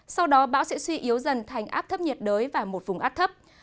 sau đó bão sẽ suy yếu dần thành áp thấp nhiệt đới và một vùng áp thấp